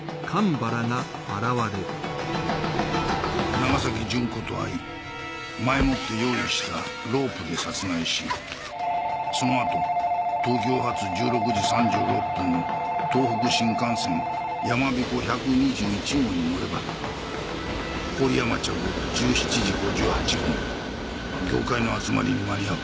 長崎純子と会い前もって用意したロープで殺害しそのあと東京発１６時３６分の東北新幹線「やまびこ１２１号」に乗れば郡山着１７時５８分業界の集まりに間に合う。